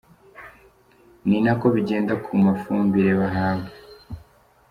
Ni na ko bigenda ku mafumbire bahabwa.